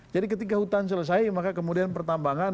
jadi ketika hutan selesai maka kemudian pertambangan